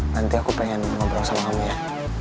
nanti aku pengen ngobrol sama kamu ya